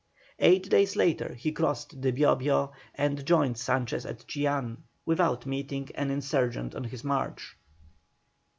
Eight days later he crossed the Bio Bio and joined Sanchez at Chillán, without meeting an insurgent on his march.